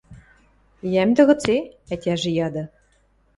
– Йӓмдӹ гыце? – ӓтяжӹ яды.